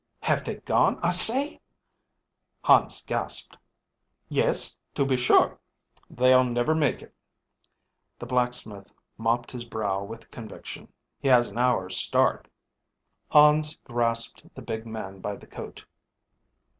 "Have they gone, I say?" Hans gasped. "Yes, to be sure." "They'll never make it." The blacksmith mopped his brow with conviction. "He has an hour's start." Hans grasped the big man by the coat.